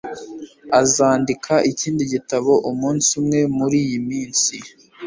Azandika ikindi gitabo umunsi umwe muriyi minsi